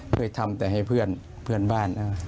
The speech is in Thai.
เคยทำแต่ให้เพื่อนบ้านนะ